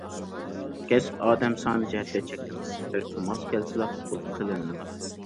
كەسىپ، ئادەم سانى جەھەتتە چەكلىمە يوق، شەرتكە ماس كەلسىلا قوبۇل قىلىنىدۇ.